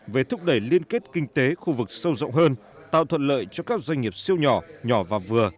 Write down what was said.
về thúc đẩy liên kết kinh tế khu vực sâu rộng hơn tạo thuận lợi cho các doanh nghiệp siêu nhỏ nhỏ và vừa